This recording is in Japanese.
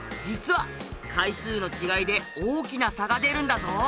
実は回数の違いで大きな差が出るんだぞ。